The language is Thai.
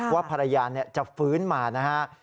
ว่าภรรยาจะฟื้นมานะฮะ